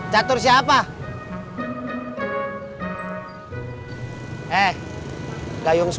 kita bisa buffer